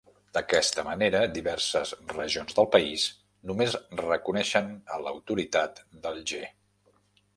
D'aquesta manera, diverses regions del país només reconeixen a l'autoritat d'Alger.